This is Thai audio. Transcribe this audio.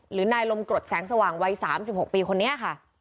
หรือนายลมกรดแสงสว่างวัย๓๖ปีคนนี้ค่ะ